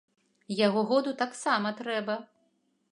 Яго году таксама трэба.